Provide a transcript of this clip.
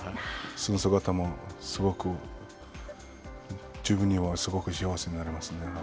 その姿もすごく自分にはすごく幸せになれますね。